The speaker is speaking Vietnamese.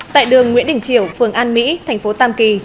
tại đường nguyễn đình triều phường an mỹ thành phố tam kỳ